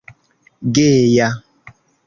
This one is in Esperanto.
geja